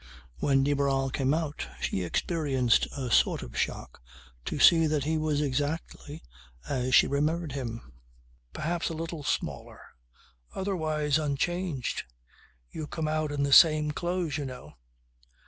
When de Barral came out she experienced a sort of shock to see that he was exactly as she remembered him. Perhaps a little smaller. Otherwise unchanged. You come out in the same clothes, you know.